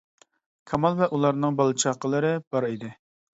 كامال ۋە ئۇلارنىڭ بالا-چاقىلىرى بار ئىدى.